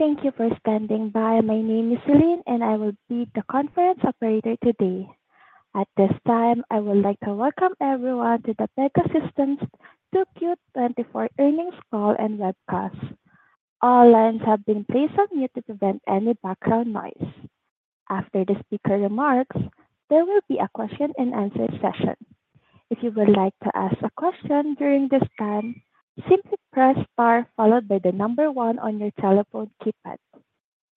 Thank you for standing by. My name is Celine, and I will be the conference operator today. At this time, I would like to welcome everyone to the Pegasystems 2Q 2024 earnings call and webcast. All lines have been placed on mute to prevent any background noise. After the speaker remarks, there will be a question and answer session. If you would like to ask a question during this time, simply press star followed by the number one on your telephone keypad.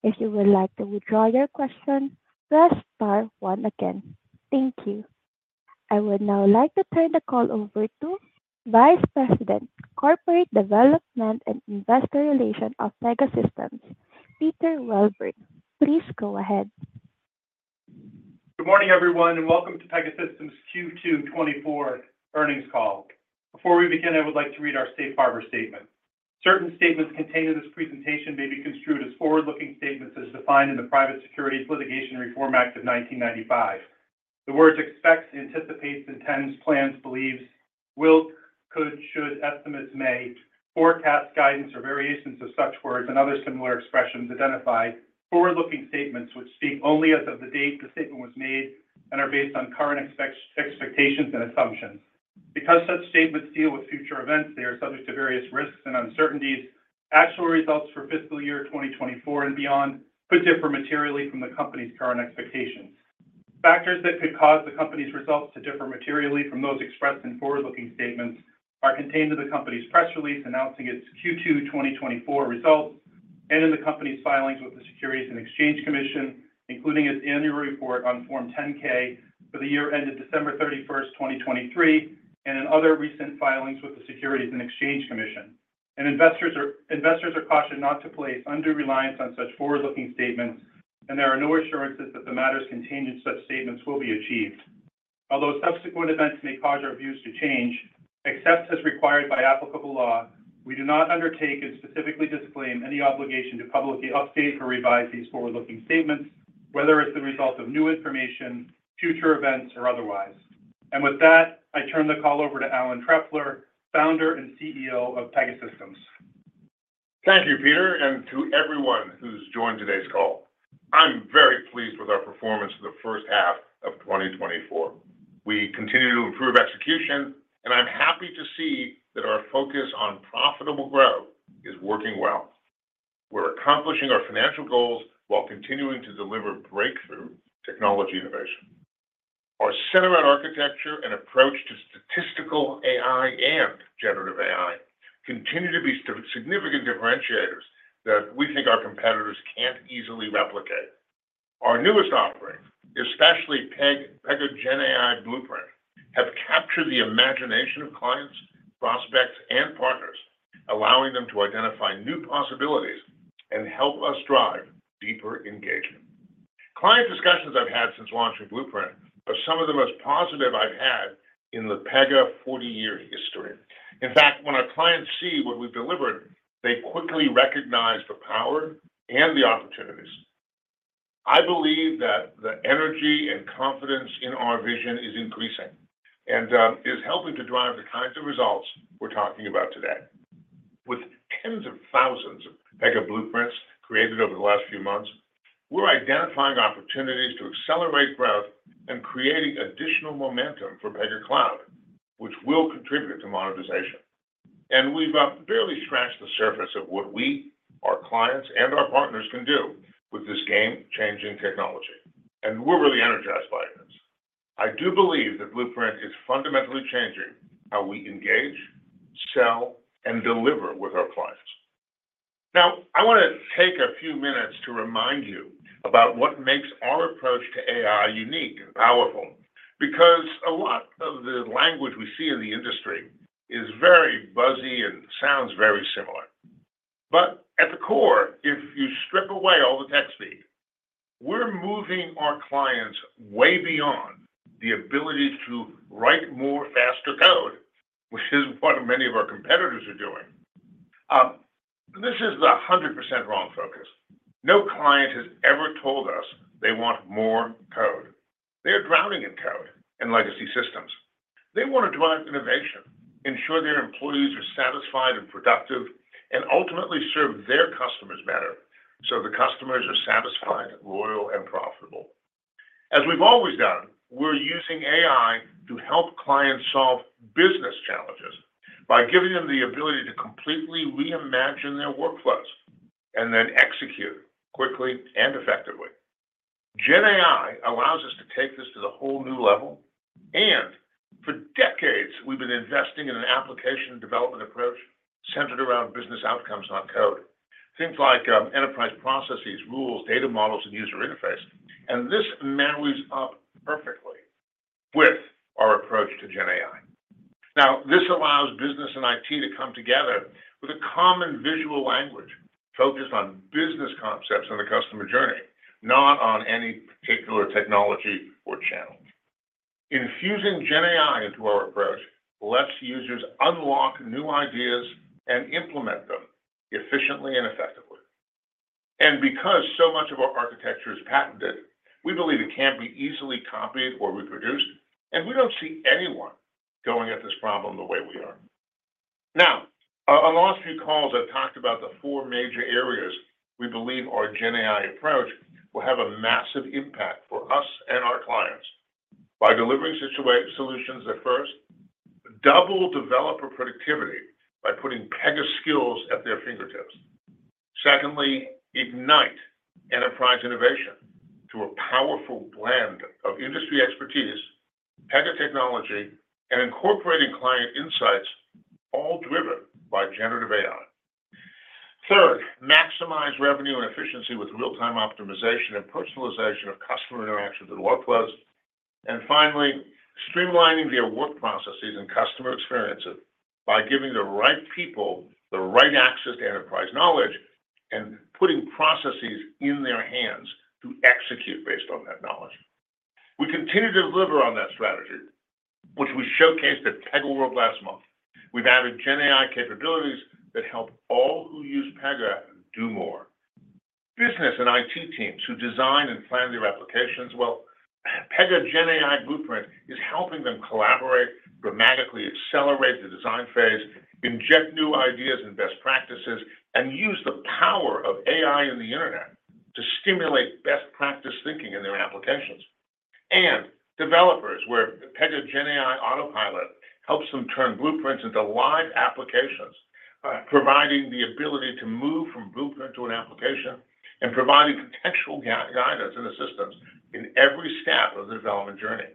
If you would like to withdraw your question, press star one again. Thank you. I would now like to turn the call over to Vice President, Corporate Development and Investor Relations of Pegasystems, Peter Welburn. Please go ahead. Good morning, everyone, and welcome to Pegasystems Q2 2024 earnings call. Before we begin, I would like to read our safe harbor statement. Certain statements contained in this presentation may be construed as forward-looking statements as defined in the Private Securities Litigation Reform Act of 1995. The words expects, anticipates, intends, plans, believes, will, could, should, estimates, may, forecast, guidance, or variations of such words and other similar expressions identify forward-looking statements which speak only as of the date the statement was made and are based on current expectations and assumptions. Because such statements deal with future events, they are subject to various risks and uncertainties. Actual results for fiscal year 2024 and beyond could differ materially from the company's current expectations. Factors that could cause the company's results to differ materially from those expressed in forward-looking statements are contained in the company's press release announcing its Q2 2024 results, and in the company's filings with the Securities and Exchange Commission, including its annual report on Form 10-K for the year ended December 31st, 2023, and in other recent filings with the Securities and Exchange Commission. Investors are, investors are cautioned not to place undue reliance on such forward-looking statements, and there are no assurances that the matters contained in such statements will be achieved. Although subsequent events may cause our views to change, except as required by applicable law, we do not undertake and specifically disclaim any obligation to publicly update or revise these forward-looking statements, whether as the result of new information, future events, or otherwise. With that, I turn the call over to Alan Trefler, Founder and CEO of Pegasystems. Thank you, Peter, and to everyone who's joined today's call. I'm very pleased with our performance for the first half of 2024. We continue to improve execution, and I'm happy to see that our focus on profitable growth is working well. We're accomplishing our financial goals while continuing to deliver breakthrough technology innovation. Our center of architecture and approach to statistical AI and generative AI continue to be significant differentiators that we think our competitors can't easily replicate. Our newest offerings, especially Pega GenAI Blueprint, have captured the imagination of clients, prospects, and partners, allowing them to identify new possibilities and help us drive deeper engagement. Client discussions I've had since launching Blueprint are some of the most positive I've had in the Pega 40-year history. In fact, when our clients see what we've delivered, they quickly recognize the power and the opportunities. I believe that the energy and confidence in our vision is increasing and is helping to drive the kinds of results we're talking about today. With tens of thousands of Pega Blueprints created over the last few months, we're identifying opportunities to accelerate growth and creating additional momentum for Pega Cloud, which will contribute to monetization. We've barely scratched the surface of what we, our clients, and our partners can do with this game-changing technology, and we're really energized by this. I do believe that Blueprint is fundamentally changing how we engage, sell, and deliver with our clients. Now, I want to take a few minutes to remind you about what makes our approach to AI unique and powerful, because a lot of the language we see in the industry is very buzzy and sounds very similar. But at the core, if you strip away all the tech speak, we're moving our clients way beyond the ability to write more faster code, which is what many of our competitors are doing. This is the 100% wrong focus. No client has ever told us they want more code. They are drowning in code and legacy systems. They want to drive innovation, ensure their employees are satisfied and productive, and ultimately serve their customers better, so the customers are satisfied, loyal, and profitable. As we've always done, we're using AI to help clients solve business challenges by giving them the ability to completely reimagine their workflows and then execute quickly and effectively. GenAI allows us to take this to the whole new level, and for decades, we've been investing in an application development approach centered around business outcomes, not code. Things like enterprise processes, rules, data models, and user interface. And this marries up perfectly with our approach to GenAI. Now, this allows business and IT to come together with a common visual language focused on business concepts and the customer journey, not on any particular technology or channel. Infusing GenAI into our approach lets users unlock new ideas and implement them efficiently and effectively. And because so much of our architecture is patented, we believe it can't be easily copied or reproduced, and we don't see anyone going at this problem the way we are. Now, on our last few calls, I've talked about the four major areas we believe our GenAI approach will have a massive impact for us and our clients. By delivering solutions that first double developer productivity by putting Pega skills at their fingertips. Secondly, ignite enterprise innovation to a powerful blend of industry expertise, Pega technology, and incorporating client insights, all driven by generative AI. Third, maximize revenue and efficiency with real-time optimization and personalization of customer interactions and workflows. And finally, streamlining their work processes and customer experiences by giving the right people the right access to enterprise knowledge, and putting processes in their hands to execute based on that knowledge. We continue to deliver on that strategy, which we showcased at PegaWorld last month. We've added GenAI capabilities that help all who use Pega do more. Business and IT teams who design and plan their applications, well, Pega GenAI Blueprint is helping them collaborate, dramatically accelerate the design phase, inject new ideas and best practices, and use the power of AI and the internet to stimulate best practice thinking in their applications. Developers, where Pega GenAI Autopilot helps them turn blueprints into live applications, providing the ability to move from blueprint to an application, and providing contextual guidance and assistance in every step of the development journey.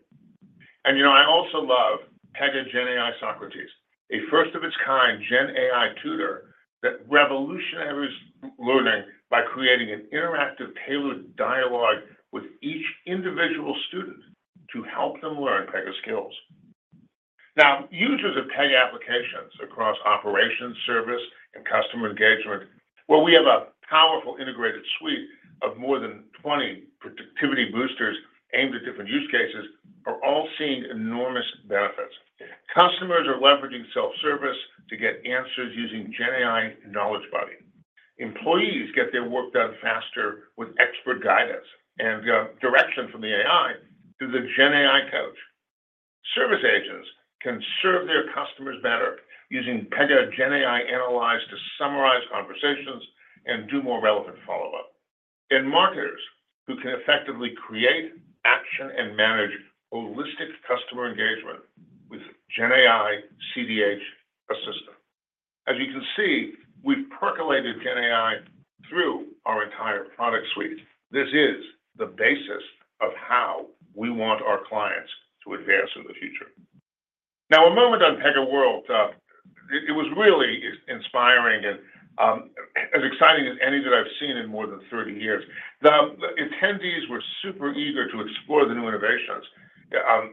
And, you know, I also love Pega GenAI Socrates, a first of its kind GenAI tutor that revolutionizes learning by creating an interactive, tailored dialogue with each individual student to help them learn Pega skills. Now, users of Pega applications across operations, service, and customer engagement, well, we have a powerful integrated suite of more than 20 productivity boosters aimed at different use cases, are all seeing enormous benefits. Customers are leveraging self-service to get answers using GenAI Knowledge Buddy. Employees get their work done faster with expert guidance and direction from the AI through the GenAI Coach. Service agents can serve their customers better using Pega GenAI Analyze to summarize conversations and do more relevant follow-up. And marketers, who can effectively create, action, and manage holistic customer engagement with Pega GenAI CDH Assistant. As you can see, we've percolated GenAI through our entire product suite. This is the basis of how we want our clients to advance in the future. Now, a moment on PegaWorld. It was really inspiring and as exciting as any that I've seen in more than 30 years. The attendees were super eager to explore the new innovations,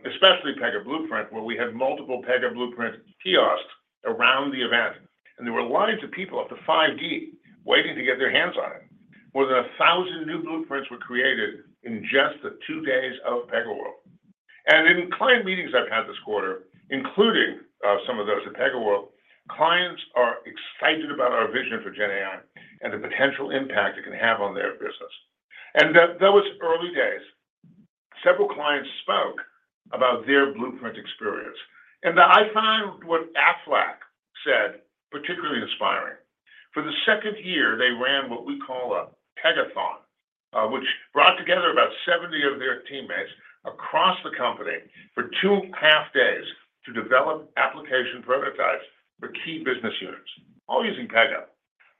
especially Pega Blueprint, where we had multiple Pega Blueprint kiosks around the event, and there were lines of people up to 5 deep, waiting to get their hands on it. More than 1,000 new blueprints were created in just the 2 days of PegaWorld. In client meetings I've had this quarter, including some of those at PegaWorld, clients are excited about our vision for GenAI and the potential impact it can have on their business. And in those early days, several clients spoke about their blueprint experience, and I found what Aflac said particularly inspiring. For the second year, they ran what we call a Pegathon, which brought together about 70 of their teammates across the company for two half days to develop application prototypes for key business units, all using Pega.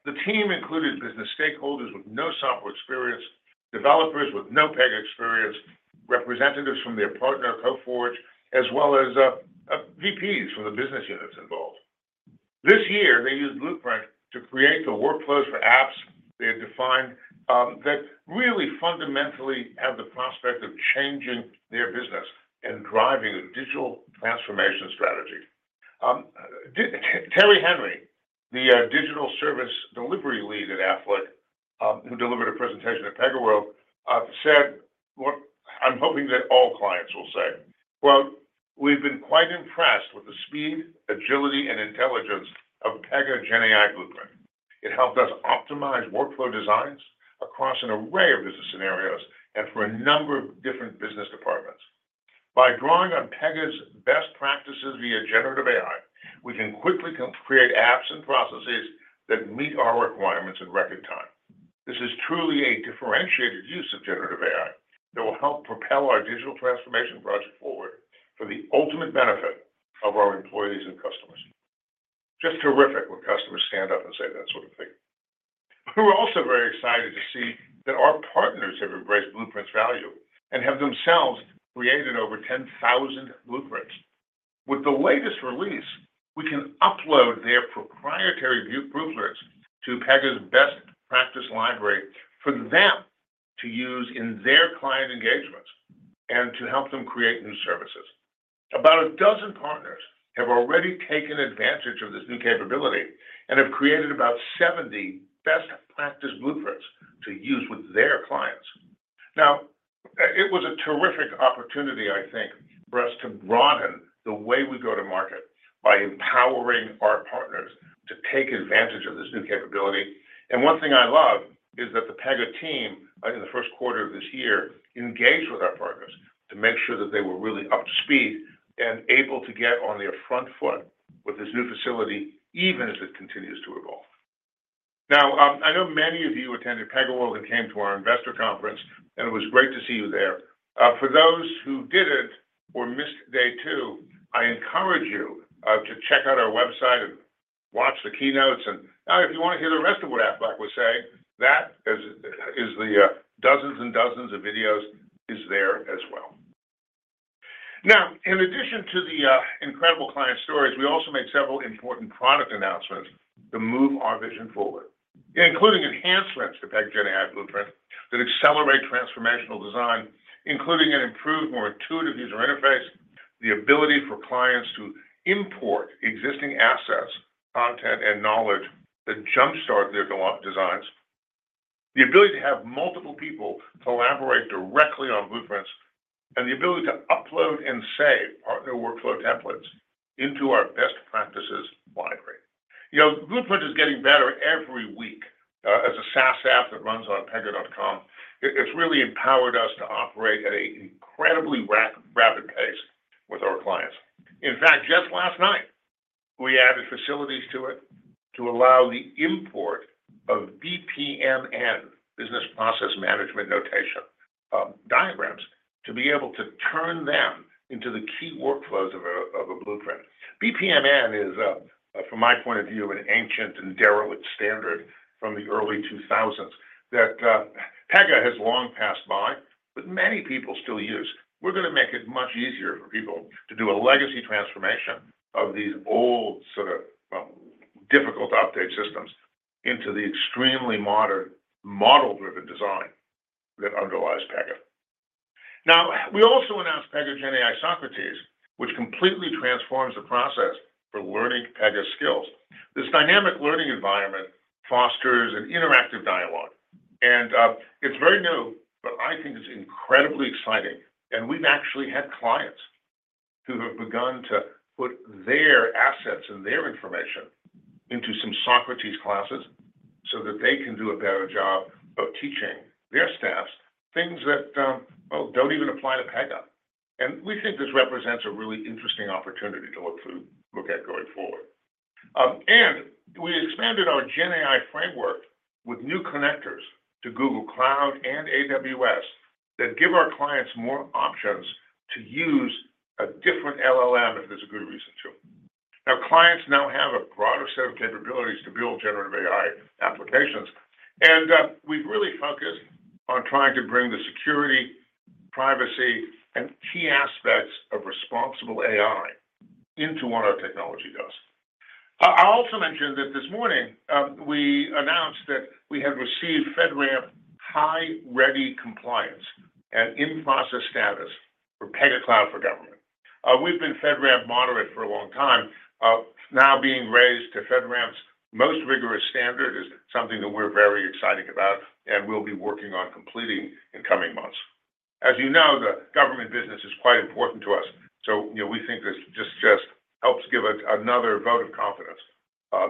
The team included business stakeholders with no software experience, developers with no Pega experience, representatives from their partner, Coforge, as well as VPs from the business units involved. This year, they used Blueprint to create the workflows for apps they had defined, that really fundamentally have the prospect of changing their business and driving a digital transformation strategy. Terri Henry, the Digital Service Delivery Lead at Aflac, who delivered a presentation at PegaWorld, said what I'm hoping that all clients will say. "Well, we've been quite impressed with the speed, agility, and intelligence of Pega GenAI Blueprint. It helped us optimize workflow designs across an array of business scenarios and for a number of different business departments. By drawing on Pega's best practices via generative AI, we can quickly create apps and processes that meet our requirements in record time. This is truly a differentiated use of generative AI that will help propel our digital transformation project forward for the ultimate benefit of our employees and customers." Just terrific when customers stand up and say that sort of thing. We're also very excited to see that our partners have embraced Blueprint's value and have themselves created over 10,000 blueprints. With the latest release, we can upload their proprietary blueprints to Pega's best practice library for them to use in their client engagements and to help them create new services. About a dozen partners have already taken advantage of this new capability and have created about 70 best practice blueprints to use with their clients. Now, it was a terrific opportunity, I think, for us to broaden the way we go to market by empowering our partners to take advantage of this new capability. One thing I love is that the Pega team, in the first quarter of this year, engaged with our partners to make sure that they were really up to speed and able to get on their front foot with this new facility, even as it continues to evolve. Now, I know many of you attended PegaWorld and came to our investor conference, and it was great to see you there. For those who didn't or missed day two, I encourage you to check out our website and watch the keynotes. If you want to hear the rest of what Aflac was saying, that is the dozens and dozens of videos there as well. Now, in addition to the incredible client stories, we also made several important product announcements to move our vision forward, including enhancements to Pega GenAI Blueprint that accelerate transformational design, including an improved, more intuitive user interface. The ability for clients to import existing assets, content, and knowledge that jumpstart their designs. The ability to have multiple people collaborate directly on blueprints, and the ability to upload and save partner workflow templates into our best practices library. You know, Blueprint is getting better every week as a SaaS app that runs on Pega.com. It's really empowered us to operate at an incredibly rapid pace with our clients. In fact, just last night, we added facilities to it to allow the import of BPMN, Business Process Model and Notation, diagrams, to be able to turn them into the key workflows of a blueprint. BPMN is, from my point of view, an ancient and derelict standard from the early 2000s that Pega has long passed by, but many people still use. We're going to make it much easier for people to do a legacy transformation of these old sort of difficult to update systems into the extremely modern, model-driven design that underlies Pega. Now, we also announced Pega GenAI Socrates, which completely transforms the process for learning Pega skills. This dynamic learning environment fosters an interactive dialogue, and it's very new, but I think it's incredibly exciting. And we've actually had clients who have begun to put their assets and their information into some Socrates classes so that they can do a better job of teaching their staffs things that, well, don't even apply to Pega. And we think this represents a really interesting opportunity to look to, look at going forward. And we expanded our GenAI framework with new connectors to Google Cloud and AWS that give our clients more options to use a different LLM if there's a good reason to. Now, clients now have a broader set of capabilities to build generative AI applications, and we've really focused on trying to bring the security, privacy, and key aspects of responsible AI into what our technology does. I also mentioned that this morning, we announced that we have received FedRAMP High Ready compliance and in-process status for Pega Cloud for Government. We've been FedRAMP Moderate for a long time. Now being raised to FedRAMP's most rigorous standard is something that we're very excited about and we'll be working on completing in coming months. As you know, the government business is quite important to us, so, you know, we think this just helps give it another vote of confidence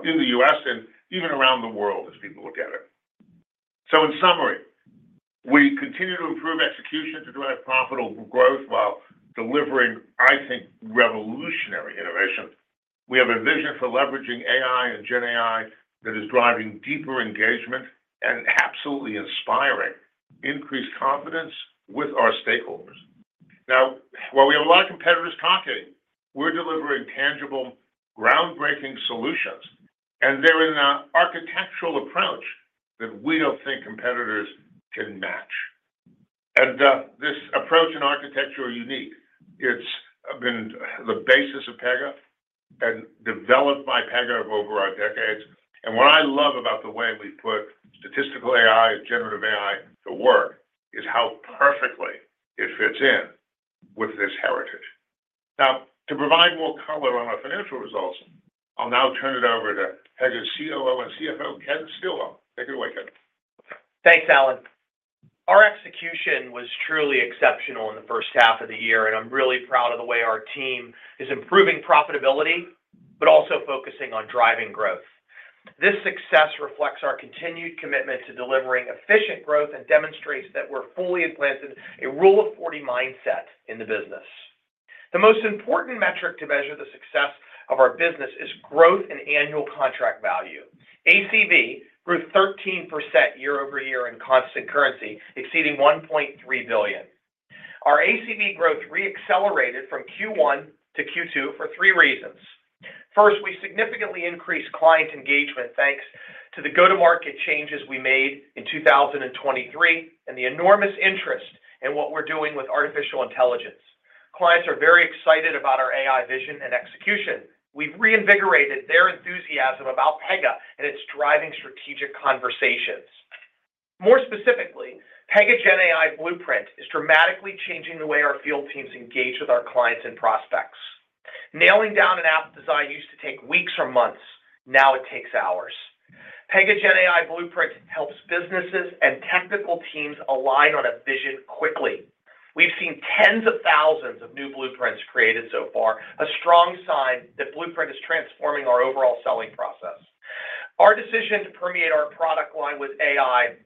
in the U.S. and even around the world as people look at it. So in summary, we continue to improve execution to drive profitable growth while delivering, I think, revolutionary innovations. We have a vision for leveraging AI and GenAI that is driving deeper engagement and absolutely inspiring increased confidence with our stakeholders. Now, while we have a lot of competitors talking, we're delivering tangible, groundbreaking solutions, and they're in an architectural approach that we don't think competitors can match. And this approach and architecture are unique. It's been the basis of Pega and developed by Pega over decades. What I love about the way we put statistical AI and generative AI to work is how perfectly it fits in with this heritage. Now, to provide more color on our financial results, I'll now turn it over to Pega's COO and CFO, Ken Stillwell. Take it away, Ken. Thanks, Alan. Our execution was truly exceptional in the first half of the year, and I'm really proud of the way our team is improving profitability, but also focusing on driving growth. This success reflects our continued commitment to delivering efficient growth and demonstrates that we're fully implemented a Rule of 40 mindset in the business. The most important metric to measure the success of our business is growth and annual contract value. ACV grew 13% year-over-year in constant currency, exceeding $1.3 billion. Our ACV growth re-accelerated from Q1 to Q2 for three reasons. First, we significantly increased client engagement, thanks to the go-to-market changes we made in 2023, and the enormous interest in what we're doing with artificial intelligence. Clients are very excited about our AI vision and execution. We've reinvigorated their enthusiasm about Pega, and it's driving strategic conversations. More specifically, Pega GenAI Blueprint is dramatically changing the way our field teams engage with our clients and prospects. Nailing down an app design used to take weeks or months. Now it takes hours. Pega GenAI Blueprint helps businesses and technical teams align on a vision quickly. We've seen tens of thousands of new blueprints created so far, a strong sign that Blueprint is transforming our overall selling process. Our decision to permeate our product line with AI is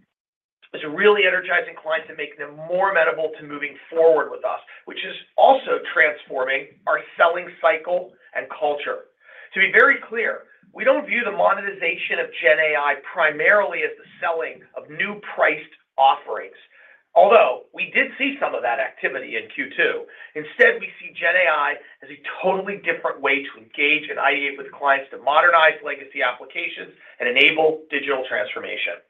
really energizing clients and making them more amenable to moving forward with us, which is also transforming our selling cycle and culture. To be very clear, we don't view the monetization of GenAI primarily as the selling of new priced offerings, although we did see some of that activity in Q2. Instead, we see GenAI as a totally different way to engage and ideate with clients to modernize legacy applications and enable digital transformation.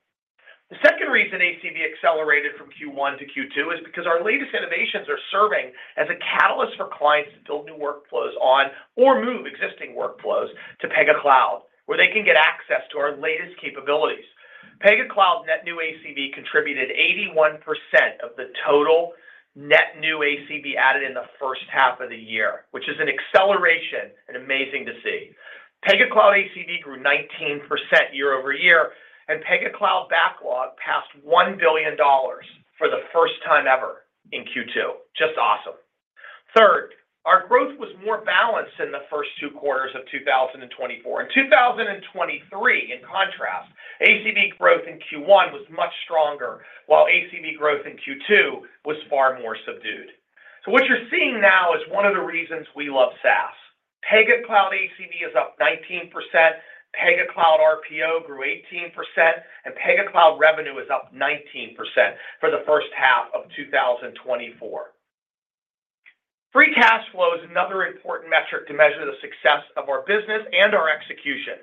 The second reason ACV accelerated from Q1 to Q2 is because our latest innovations are serving as a catalyst for clients to build new workflows on or move existing workflows to Pega Cloud, where they can get access to our latest capabilities. Pega Cloud net new ACV contributed 81% of the total net new ACV added in the first half of the year, which is an acceleration and amazing to see. Pega Cloud ACV grew 19% year-over-year, and Pega Cloud backlog passed $1 billion for the first time ever in Q2. Just awesome! Third, our growth was more balanced in the first two quarters of 2024. In 2023, in contrast, ACV growth in Q1 was much stronger, while ACV growth in Q2 was far more subdued. So what you're seeing now is one of the reasons we love SaaS. Pega Cloud ACV is up 19%, Pega Cloud RPO grew 18%, and Pega Cloud revenue is up 19% for the first half of 2024. Free cash flow is another important metric to measure the success of our business and our execution.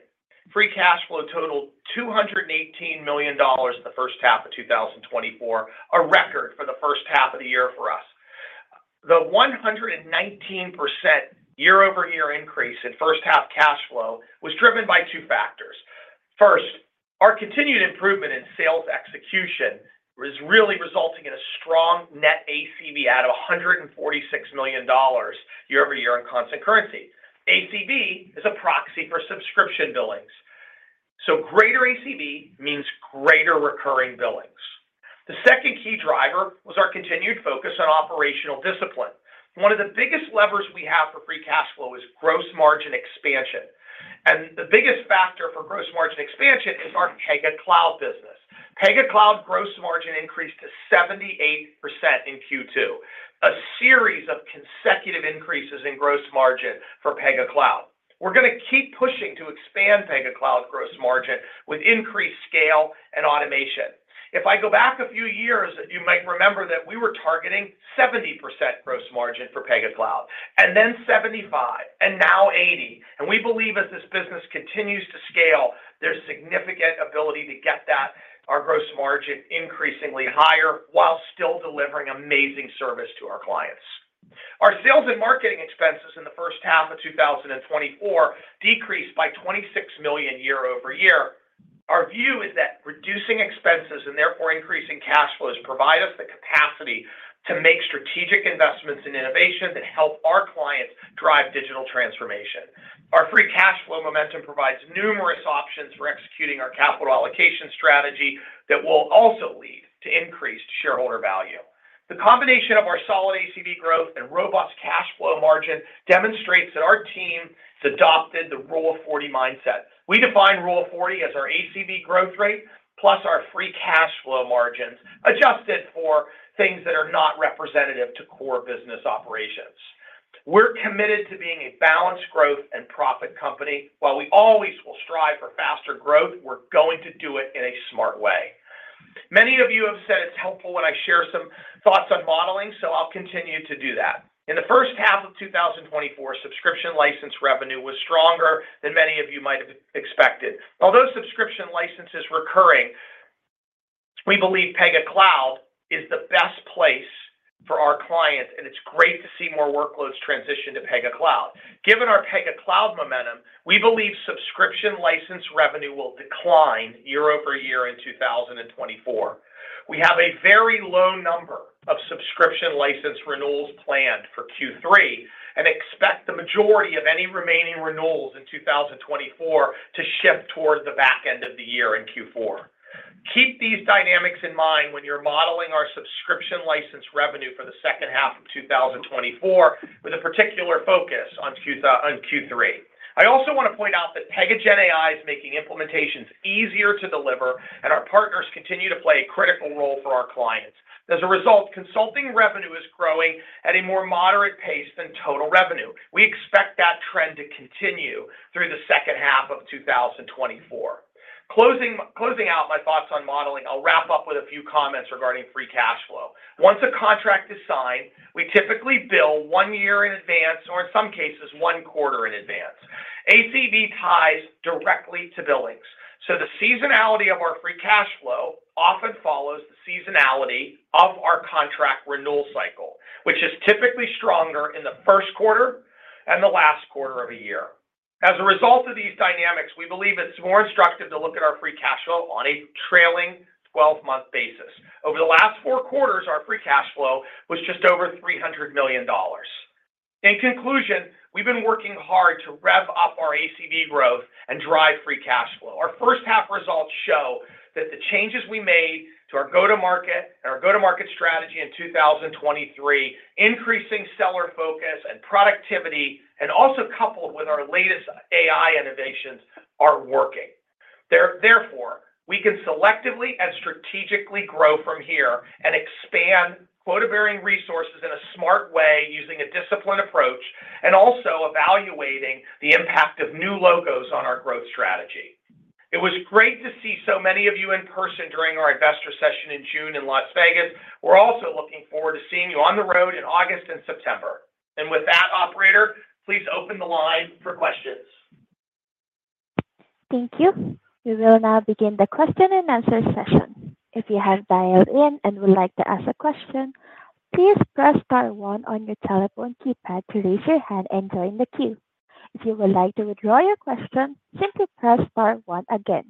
Free cash flow totaled $218 million in the first half of 2024, a record for the first half of the year for us. The 119% year-over-year increase in first half cash flow was driven by two factors. First, our continued improvement in sales execution was really resulting in a strong net ACV add of $146 million year-over-year in constant currency. ACV is a proxy for subscription billings, so greater ACV means greater recurring billings. The second key driver was our continued focus on operational discipline. One of the biggest levers we have for free cash flow is gross margin expansion, and the biggest factor for gross margin expansion is our Pega Cloud business. Pega Cloud gross margin increased to 78% in Q2, a series of consecutive increases in gross margin for Pega Cloud. We're going to keep pushing to expand Pega Cloud gross margin with increased scale and automation. If I go back a few years, you might remember that we were targeting 70% gross margin for Pega Cloud, and then 75%, and now 80%. We believe as this business continues to scale, there's significant ability to get that, our gross margin, increasingly higher, while still delivering amazing service to our clients. Our sales and marketing expenses in the first half of 2024 decreased by $26 million year-over-year. Our view is that reducing expenses, and therefore increasing cash flows, provide us the capacity to make strategic investments in innovations that help our clients drive digital transformation. Our free cash flow momentum provides numerous options for executing our capital allocation strategy that will also lead to increased shareholder value. The combination of our solid ACV growth and robust cash flow margin demonstrates that our team has adopted the Rule of 40 mindset. We define Rule of 40 as our ACV growth rate, plus our free cash flow margins, adjusted for things that are not representative to core business operations. We're committed to being a balanced growth and profit company. While we always will strive for faster growth, we're going to do it in a smart way. Many of you have said it's helpful when I share some thoughts on modeling, so I'll continue to do that. In the first half of 2024, subscription license revenue was stronger than many of you might have expected. Although subscription license is recurring, we believe Pega Cloud is the best place for our clients, and it's great to see more workloads transition to Pega Cloud. Given our Pega Cloud momentum, we believe subscription license revenue will decline year-over-year in 2024. We have a very low number of subscription license renewals planned for Q3 and expect the majority of any remaining renewals in 2024 to shift towards the back end of the year in Q4. Keep these dynamics in mind when you're modeling our subscription license revenue for the second half of 2024, with a particular focus on Q3. I also want to point out that Pega GenAI is making implementations easier to deliver, and our partners continue to play a critical role for our clients. As a result, consulting revenue is growing at a more moderate pace than total revenue. We expect that trend to continue through the second half of 2024. Closing out my thoughts on modeling, I'll wrap up with a few comments regarding free cash flow. Once a contract is signed, we typically bill one year in advance, or in some cases, one quarter in advance. ACV ties directly to billings, so the seasonality of our free cash flow often follows the seasonality of our contract renewal cycle, which is typically stronger in the first quarter and the last quarter of a year. As a result of these dynamics, we believe it's more instructive to look at our free cash flow on a trailing 12-month basis. Over the last four quarters, our free cash flow was just over $300 million.... In conclusion, we've been working hard to rev up our ACV growth and drive free cash flow. Our first half results show that the changes we made to our go-to-market and our go-to-market strategy in 2023, increasing seller focus and productivity, and also coupled with our latest AI innovations, are working. Therefore, we can selectively and strategically grow from here and expand quota-bearing resources in a smart way, using a disciplined approach, and also evaluating the impact of new logos on our growth strategy. It was great to see so many of you in person during our investor session in June in Las Vegas. We're also looking forward to seeing you on the road in August and September. With that, operator, please open the line for questions. Thank you. We will now begin the question and answer session. If you have dialed in and would like to ask a question, please press star one on your telephone keypad to raise your hand and join the queue. If you would like to withdraw your question, simply press star one again.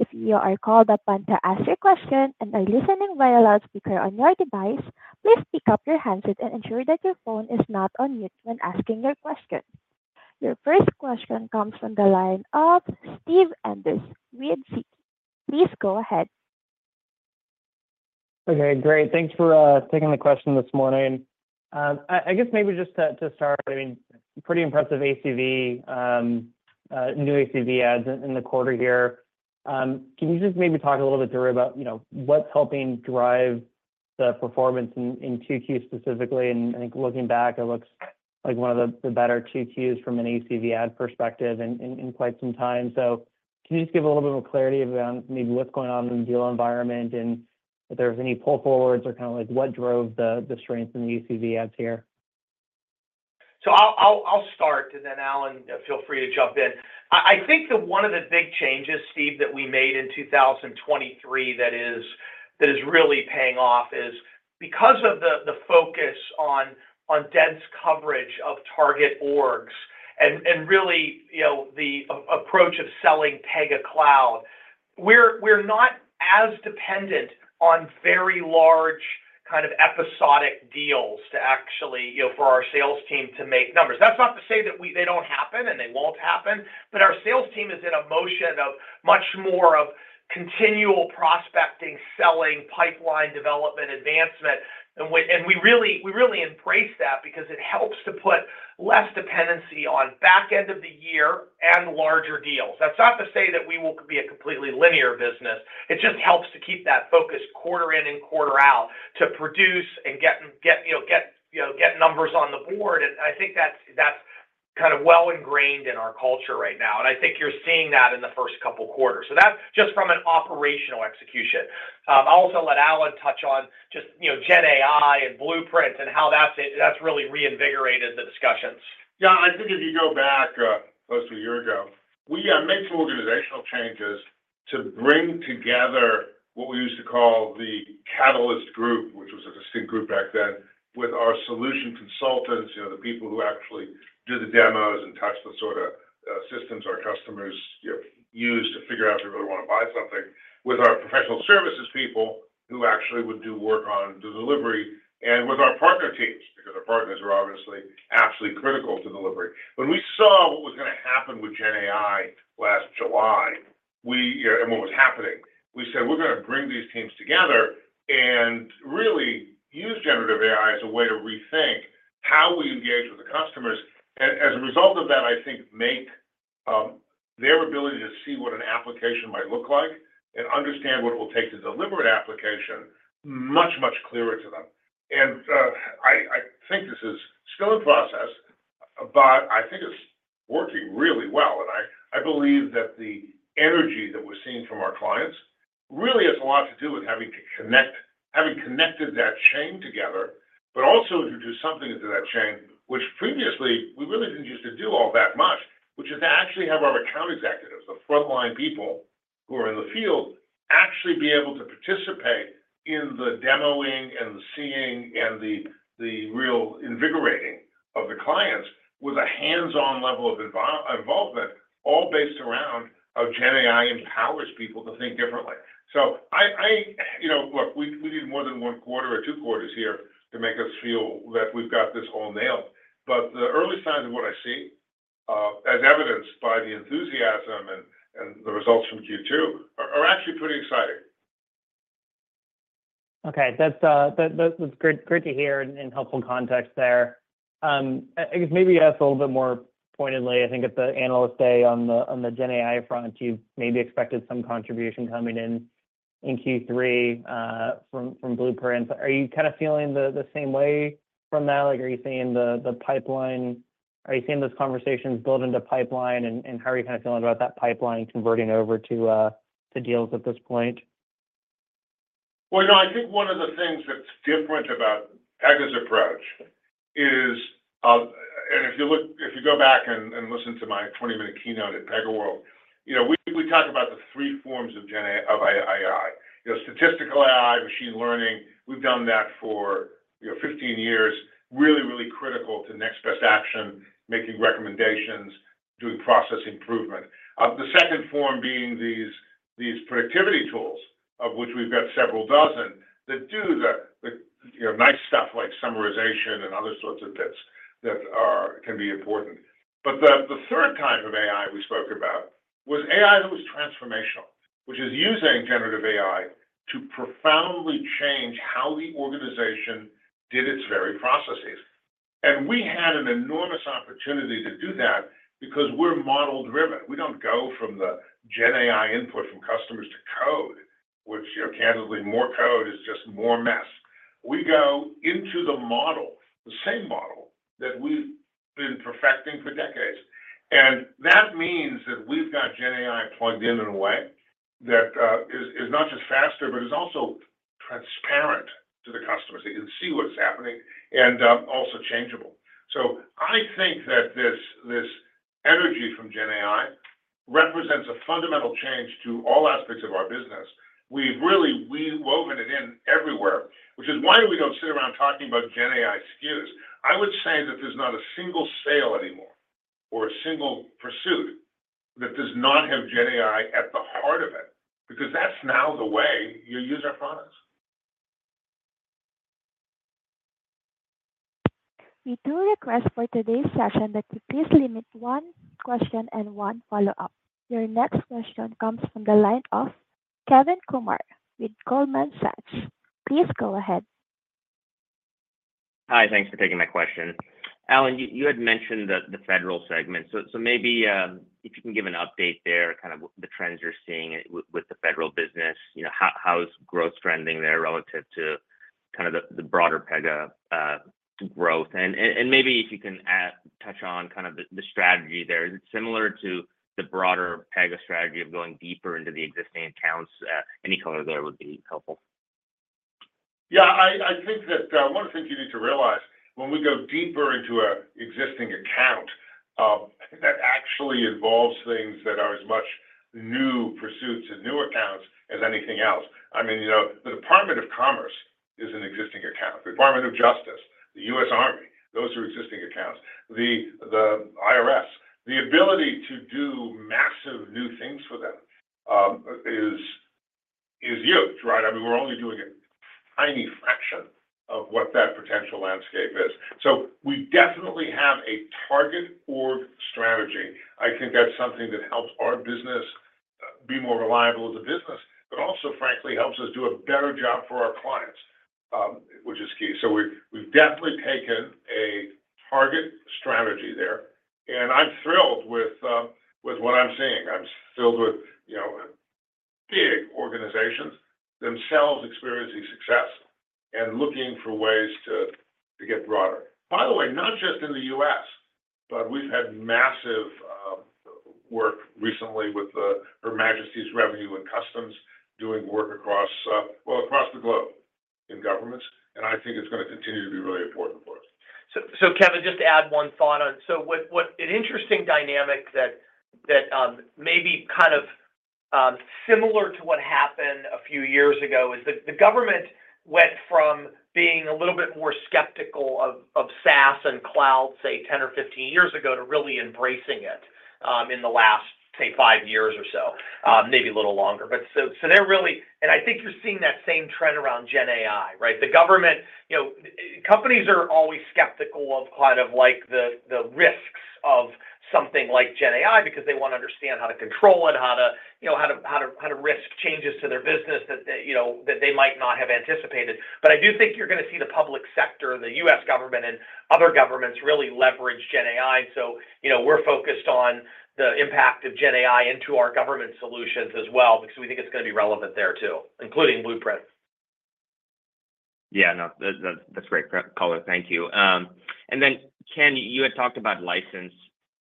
If you are called upon to ask your question and are listening via loudspeaker on your device, please pick up your handset and ensure that your phone is not on mute when asking your question. Your first question comes from the line of Steve Enders with Citi. Please go ahead. Okay, great. Thanks for taking the question this morning. I guess maybe just to start, I mean, pretty impressive ACV, new ACV ads in the quarter here. Can you just maybe talk a little bit about, you know, what's helping drive the performance in Q2 specifically? And I think looking back, it looks like one of the better Q2 from an ACV ad perspective in quite some time. So can you just give a little bit more clarity around maybe what's going on in the deal environment and if there's any pull forwards or kind of like what drove the strength in the ACV ads here? So I'll start, and then, Alan, feel free to jump in. I think that one of the big changes, Steve, that we made in 2023, that is really paying off is because of the focus on dense coverage of target orgs and really, you know, the approach of selling Pega Cloud, we're not as dependent on very large kind of episodic deals to actually, you know, for our sales team to make numbers. That's not to say that we... They don't happen, and they won't happen, but our sales team is in a motion of much more of continual prospecting, selling, pipeline development, advancement. And we really embrace that because it helps to put less dependency on back end of the year and larger deals. That's not to say that we will be a completely linear business. It just helps to keep that focus quarter in and quarter out to produce and get, you know, get numbers on the board. And I think that's kind of well ingrained in our culture right now, and I think you're seeing that in the first couple quarters. So that's just from an operational execution. I'll also let Alan touch on just, you know, GenAI and Blueprints and how that's really reinvigorated the discussions. Yeah, I think if you go back, close to a year ago, we made some organizational changes to bring together what we used to call the Catalyst Group, which was a distinct group back then, with our solution consultants, you know, the people who actually do the demos and touch the sort of systems our customers, you know, use to figure out if they really want to buy something, with our professional services people, who actually would do work on the delivery, and with our partner teams, because our partners are obviously absolutely critical to delivery. When we saw what was going to happen with GenAI last July, we and what was happening, we said: We're gonna bring these teams together and really use generative AI as a way to rethink how we engage with the customers. And as a result of that, I think their ability to see what an application might look like and understand what it will take to deliver an application much, much clearer to them. And I think this is still in process, but I think it's working really well. I believe that the energy that we're seeing from our clients really has a lot to do with having connected that chain together, but also introduced something into that chain, which previously we really didn't used to do all that much, which is to actually have our account executives, the frontline people who are in the field, actually be able to participate in the demoing and the seeing and the real invigorating of the clients with a hands-on level of involvement, all based around how GenAI empowers people to think differently. So, I—you know—look, we need more than one quarter or two quarters here to make us feel that we've got this all nailed, but the early signs of what I see, as evidenced by the enthusiasm and the results from Q2, are actually pretty exciting. Okay. That's... That, that was great, great to hear and, and helpful context there. I guess maybe ask a little bit more pointedly, I think at the Analyst Day on the, on the GenAI front, you've maybe expected some contribution coming in in Q3, from, from Blueprints. Are you kind of feeling the, the same way from that? Like, are you seeing the, the pipeline— Are you seeing those conversations build into pipeline? And, and how are you kind of feeling about that pipeline converting over to, to deals at this point? Well, you know, I think one of the things that's different about Pega's approach is, if you go back and listen to my 20-minute keynote at PegaWorld, you know, we talk about the three forms of GenAI. You know, statistical AI, machine learning, we've done that for, you know, 15 years. Really, really critical to next best action, making recommendations, doing process improvement. The second form being these productivity tools, of which we've got several dozen, that do the, you know, nice stuff like summarization and other sorts of bits that can be important. But the third type of AI we spoke about was AI that was transformational, which is using generative AI to profoundly change how the organization did its very processes. And we had an enormous opportunity to do that because we're model-driven. We don't go from the GenAI input from customers to code, which, you know, candidly, more code is just more mess. We go into the model, the same model that we've been perfecting for decades, and that means that we've got GenAI plugged in in a way that is not just faster, but is also transparent to the customers. They can see what's happening and also changeable. So I think that this, this energy from GenAI represents a fundamental change to all aspects of our business. We've really, we've woven it in everywhere, which is why we don't sit around talking about GenAI SKUs. I would say that there's not a single sale anymore or a single pursuit that does not have GenAI at the heart of it, because that's now the way you use our products. We do request for today's session that you please limit one question and one follow-up. Your next question comes from the line of Kevin Kumar with Goldman Sachs. Please go ahead. Hi, thanks for taking my question. Alan, you had mentioned the federal segment. So maybe if you can give an update there, kind of the trends you're seeing with the federal business. You know, how is growth trending there relative to kind of the broader Pega growth? And maybe if you can touch on kind of the strategy there. Is it similar to the broader Pega strategy of going deeper into the existing accounts? Any color there would be helpful. Yeah, I think that one of the things you need to realize when we go deeper into an existing account, that actually involves things that are as much new pursuits and new accounts as anything else. I mean, you know, the Department of Commerce is an existing account. The Department of Justice, the U.S. Army, those are existing accounts, the IRS. The ability to do massive new things for them is huge, right? I mean, we're only doing a tiny fraction of what that potential landscape is. So we definitely have a target org strategy. I think that's something that helps our business be more reliable as a business, but also, frankly, helps us do a better job for our clients, which is key. So we've definitely taken a target strategy there, and I'm thrilled with what I'm seeing. I'm thrilled with, you know, big organizations themselves experiencing success and looking for ways to get broader. By the way, not just in the U.S., but we've had massive work recently with Her Majesty's Revenue and Customs doing work across, well, across the globe in governments, and I think it's going to continue to be really important for us. So, Kevin, just to add one thought on. So, what an interesting dynamic that may be kind of similar to what happened a few years ago is that the government went from being a little bit more skeptical of SaaS and Cloud, say, 10 or 15 years ago, to really embracing it in the last, say, 5 years or so, maybe a little longer. But so, they're really... And I think you're seeing that same trend around GenAI, right? The government, you know, companies are always skeptical of kind of like the risks of something like GenAI because they want to understand how to control it, you know, how to risk changes to their business that they, you know, that they might not have anticipated. But I do think you're going to see the public sector and the U.S. government and other governments really leverage GenAI. So, you know, we're focused on the impact of GenAI into our government solutions as well, because we think it's going to be relevant there too, including Blueprints. Yeah. No, that's great color. Thank you. And then, Ken, you had talked about license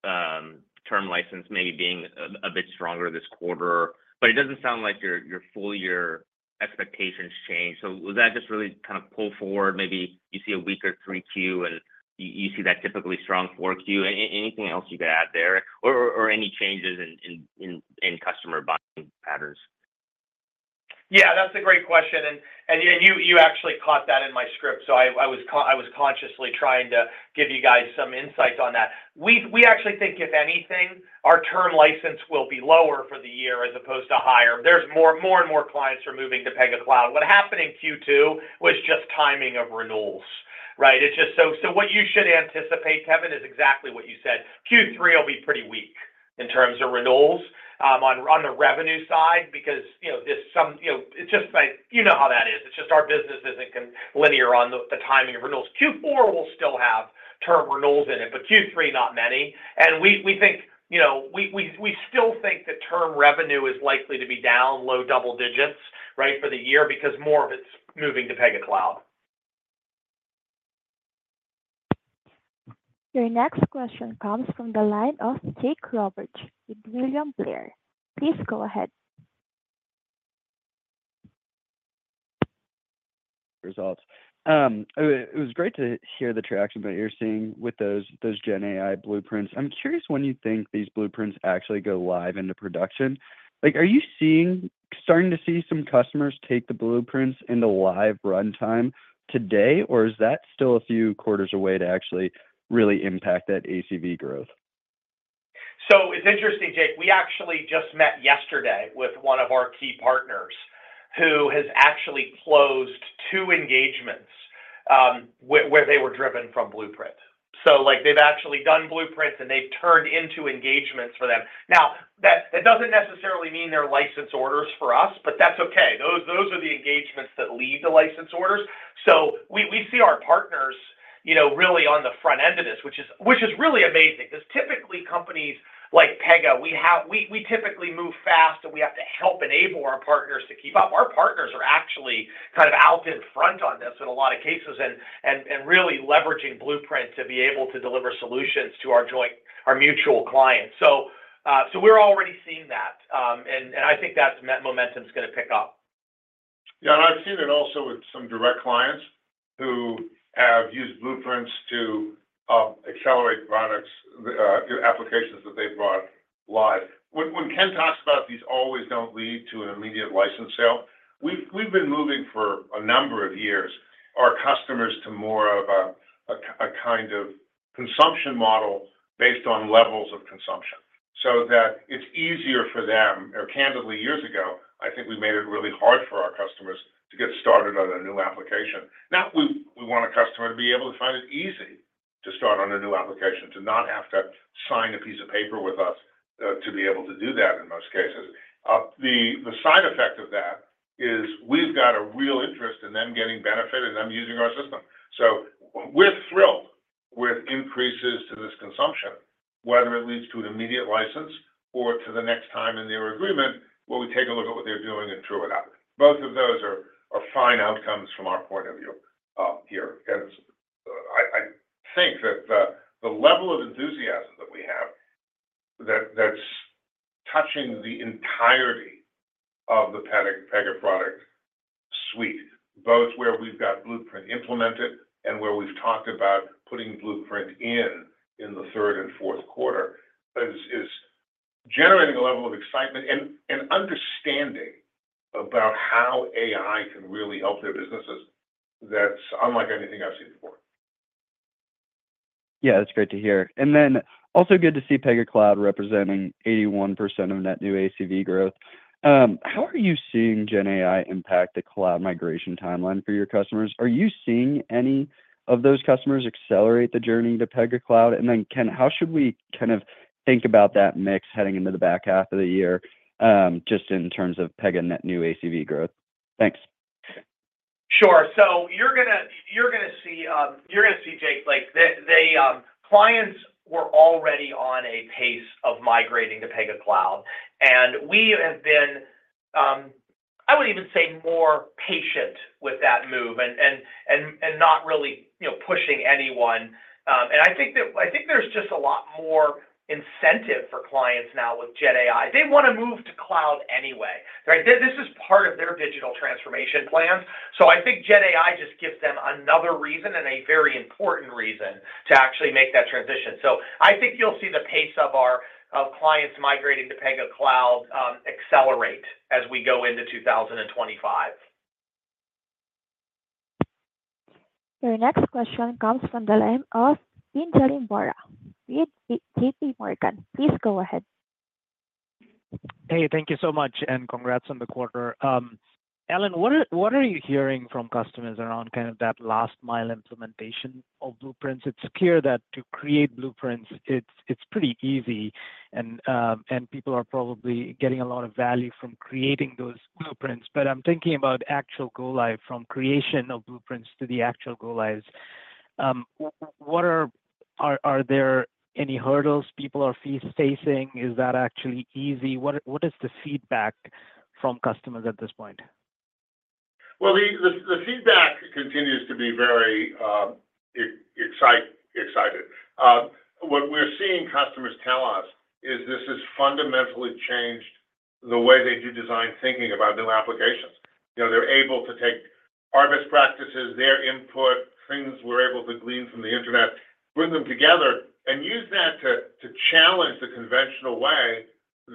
term license maybe being a bit stronger this quarter, but it doesn't sound like your full year expectations changed. So was that just really kind of pull forward? Maybe you see a weaker 3Q, and you see that typically strong 4Q. Anything else you could add there or any changes in customer buying patterns? Yeah, that's a great question, and you actually caught that in my script. So I was consciously trying to give you guys some insights on that. We actually think, if anything, our term license will be lower for the year as opposed to higher. There's more and more clients are moving to Pega Cloud. What happened in Q2 was just timing of renewals, right? It's just so what you should anticipate, Kevin, is exactly what you said. Q3 will be pretty weak in terms of renewals on the revenue side, because, you know, it's just like, you know how that is. It's just our business isn't linear on the timing of renewals. Q4 will still have term renewals in it, but Q3, not many. And we think, you know, we still think that term revenue is likely to be down low double digits, right, for the year because more of it's moving to Pega Cloud. Your next question comes from the line of Jake Roberge with William Blair. Please go ahead. Results. It was great to hear the traction that you're seeing with those GenAI blueprints. I'm curious when you think these blueprints actually go live into production. Like, are you starting to see some customers take the blueprints into live runtime today, or is that still a few quarters away to actually really impact that ACV growth?... So it's interesting, Jake, we actually just met yesterday with one of our key partners, who has actually closed two engagements, where they were driven from Blueprint. So, like, they've actually done Blueprints, and they've turned into engagements for them. Now, that doesn't necessarily mean they're license orders for us, but that's okay. Those are the engagements that lead to license orders. So we see our partners, you know, really on the front end of this, which is really amazing, 'cause typically companies like Pega, we typically move fast, and we have to help enable our partners to keep up. Our partners are actually kind of out in front on this in a lot of cases and really leveraging Blueprint to be able to deliver solutions to our joint, our mutual clients. So, so we're already seeing that. And, and I think that's... that momentum's gonna pick up. Yeah, and I've seen it also with some direct clients who have used Blueprints to accelerate products, applications that they've brought live. When Ken talks about these always don't lead to an immediate license sale, we've been moving for a number of years our customers to more of a kind of consumption model based on levels of consumption, so that it's easier for them. Or candidly, years ago, I think we made it really hard for our customers to get started on a new application. Now, we want a customer to be able to find it easy to start on a new application, to not have to sign a piece of paper with us, to be able to do that in most cases. The side effect of that is, we've got a real interest in them getting benefit and them using our system. So we're thrilled with increases to this consumption, whether it leads to an immediate license or to the next time in their agreement, where we take a look at what they're doing and true it up. Both of those are fine outcomes from our point of view here. And I think that the level of enthusiasm that we have, that's touching the entirety of the Pega product suite, both where we've got Blueprint implemented and where we've talked about putting Blueprint in the third and fourth quarter, is generating a level of excitement and understanding about how AI can really help their businesses that's unlike anything I've seen before. Yeah, that's great to hear. And then also good to see Pega Cloud representing 81% of net new ACV growth. How are you seeing GenAI impact the cloud migration timeline for your customers? Are you seeing any of those customers accelerate the journey to Pega Cloud? And then, Ken, how should we kind of think about that mix heading into the back half of the year, just in terms of Pega net new ACV growth? Thanks. Sure. So you're gonna see, Jake, like, the clients were already on a pace of migrating to Pega Cloud, and we have been, I would even say, more patient with that move and not really, you know, pushing anyone. And I think that, I think there's just a lot more incentive for clients now with GenAI. They wanna move to cloud anyway, right? This is part of their digital transformation plans. So I think GenAI just gives them another reason, and a very important reason, to actually make that transition. So I think you'll see the pace of our clients migrating to Pega Cloud accelerate as we go into 2025. Your next question comes from the line of Pinjalim Bora with J.P. Morgan. Please go ahead. Hey, thank you so much, and congrats on the quarter. Alan, what are you hearing from customers around kind of that last mile implementation of Blueprints? It's clear that to create Blueprints, it's pretty easy, and people are probably getting a lot of value from creating those Blueprints. But I'm thinking about actual go-live, from creation of Blueprints to the actual go-lives. What are there any hurdles people are facing? Is that actually easy? What is the feedback from customers at this point? Well, the feedback continues to be very excited. What we're seeing customers tell us is this has fundamentally changed the way they do design, thinking about new applications. You know, they're able to take our best practices, their input, things we're able to glean from the internet, bring them together, and use that to challenge the conventional way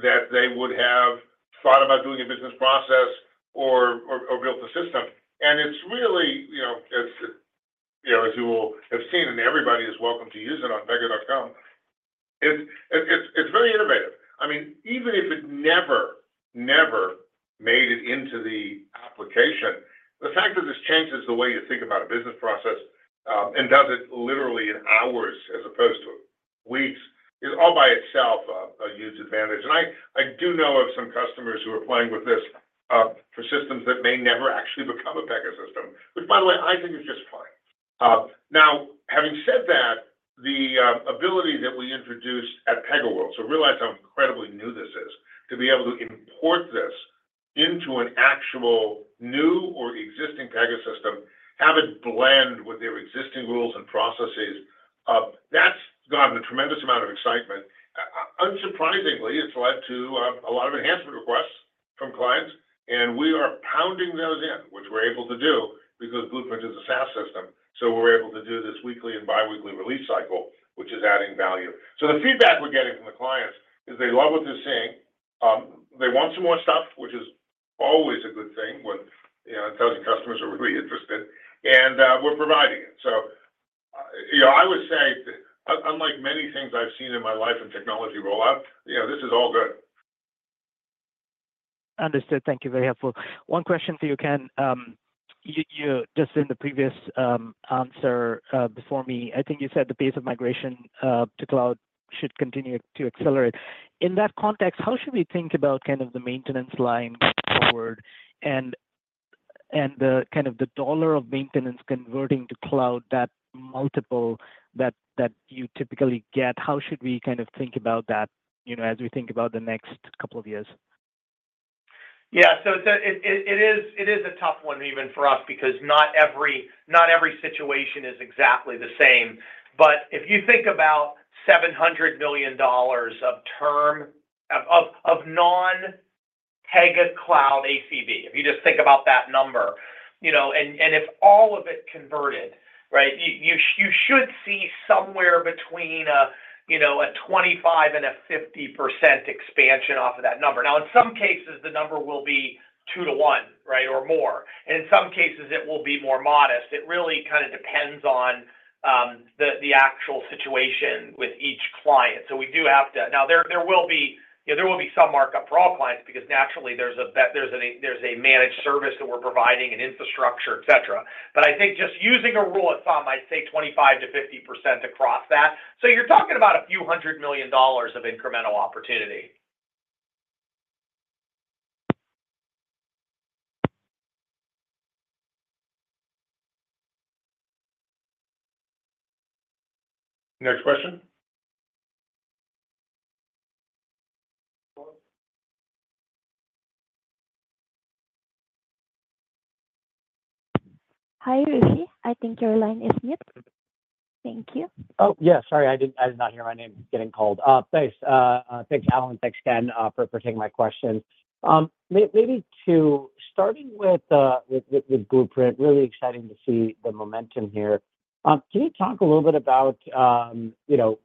that they would have thought about doing a business process or built a system. And it's really, you know, as you all have seen, and everybody is welcome to use it on pega.com, it's very innovative. I mean, even if it never, never made it into the application, the fact that this changes the way you think about a business process, and does it literally in hours as opposed to weeks, is all by itself a huge advantage. And I, I do know of some customers who are playing with this, for systems that may never actually become a Pega System, which, by the way, I think is just fine. Now, having said that, the ability that we introduced at PegaWorld, so realize how incredibly new this is, to be able to import this into an actual, new or existing Pega System, have it blend with their existing rules and processes, that's gotten a tremendous amount of excitement. Unsurprisingly, it's led to a lot of enhancement requests from clients, and we are pounding those in, which we're able to do because Blueprint is a SaaS system. So we're able to do this weekly and bi-weekly release cycle, which is adding value. So the feedback we're getting from the clients is they love what they're seeing. They want some more stuff, which is always a good thing, when, you know, it tells you customers are really interested, and we're providing it. You know, I would say, unlike many things I've seen in my life in technology rollout, you know, this is all good. Understood. Thank you, very helpful. One question for you, Ken. You just in the previous answer before me, I think you said the pace of migration to cloud should continue to accelerate. In that context, how should we think about kind of the maintenance line going forward and the kind of the dollar of maintenance converting to cloud, that multiple that you typically get? How should we kind of think about that, you know, as we think about the next couple of years? Yeah. So it is a tough one even for us, because not every situation is exactly the same. But if you think about $700 million of term non-Pega Cloud ACV, if you just think about that number, you know, and if all of it converted, right, you should see somewhere between 25%-50% expansion off of that number. Now, in some cases, the number will be 2-to-1, right, or more, and in some cases it will be more modest. It really kind of depends on the actual situation with each client. So we do have to... Now, there will be, you know, some markup for all clients because naturally there's a managed service that we're providing, an infrastructure, et cetera. But I think just using a rule of thumb, I'd say 25%-50% across that. So you're talking about a few $100 million of incremental opportunity. Next question. Hi, Rishi, I think your line is mute. Thank you. Oh, yeah, sorry, I did not hear my name getting called. Thanks, Alan, thanks, Ken, for taking my questions. Maybe starting with Blueprint, really exciting to see the momentum here. Can you talk a little bit about, you know,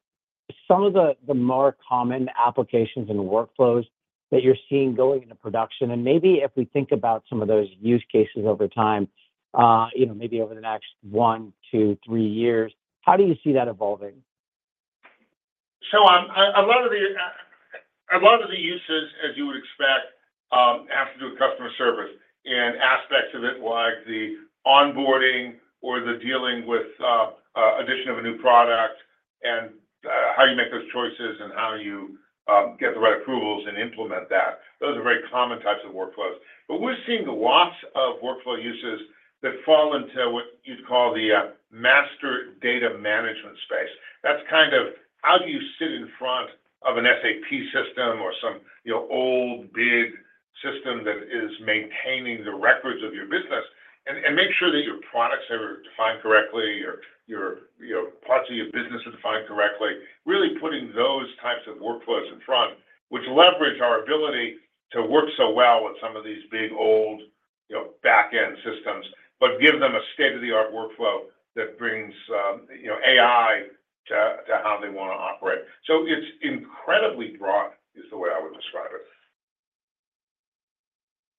some of the more common applications and workflows that you're seeing going into production? And maybe if we think about some of those use cases over time, you know, maybe over the next one, two, three years, how do you see that evolving? So, a lot of the, a lot of the uses, as you would expect, have to do with customer service and aspects of it, like the onboarding or the dealing with, addition of a new product and, how you make those choices and how you, get the right approvals and implement that. Those are very common types of workflows. But we're seeing lots of workflow uses that fall into what you'd call the, master data management space. That's kind of how do you sit in front of an SAP system or some, you know, old big system that is maintaining the records of your business and, and make sure that your products are defined correctly, your, your, your parts of your business are defined correctly. Really putting those types of workflows in front, which leverage our ability to work so well with some of these big old, you know, back-end systems, but give them a state-of-the-art workflow that brings, you know, AI to how they want to operate. So it's incredibly broad, is the way I would describe it.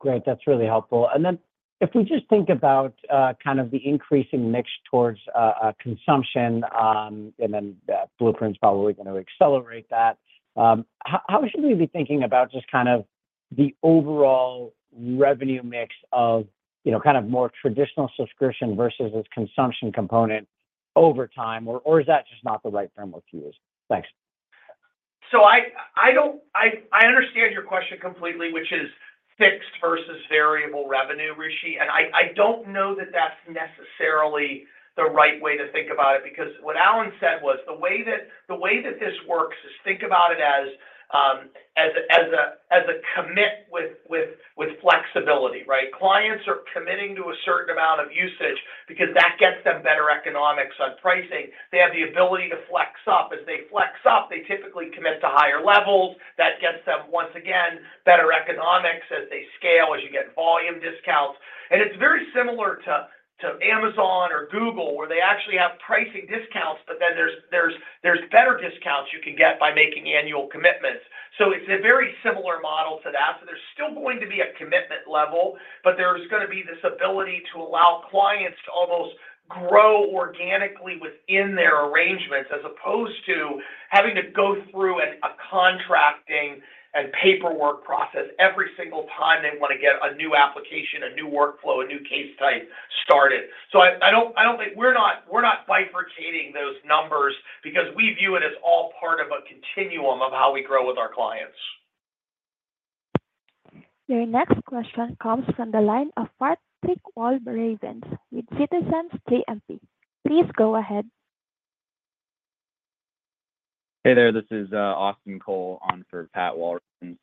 Great, that's really helpful. And then if we just think about, kind of the increasing mix towards, consumption, and then the Blueprint is probably going to accelerate that, how should we be thinking about just kind of the overall revenue mix of, you know, kind of more traditional subscription versus this consumption component over time, or is that just not the right framework to use? Thanks. So I don't... I understand your question completely, which is fixed versus variable revenue, Rishi, and I don't know that that's necessarily the right way to think about it. Because what Alan said was the way that this works is think about it as, as a, as a commit with flexibility, right? Clients are committing to a certain amount of usage because that gets them better economics on pricing. They have the ability to flex up. As they flex up, they typically commit to higher levels. That gets them, once again, better economics as they scale, as you get volume discounts. And it's very similar to Amazon or Google, where they actually have pricing discounts, but then there's better discounts you can get by making annual commitments. So it's a very similar model to that. So there's still going to be a commitment level, but there's going to be this ability to allow clients to almost grow organically within their arrangements, as opposed to having to go through a contracting and paperwork process every single time they want to get a new application, a new workflow, a new case type started. So I don't think... We're not bifurcating those numbers because we view it as all part of a continuum of how we grow with our clients. Your next question comes from the line of Patrick Walravens with Citizens JMP. Please go ahead. Hey there, this is Austin Cole on for Pat Walravens.